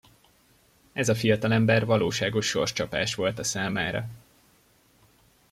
Ez a fiatalember valóságos sorscsapás volt a számára.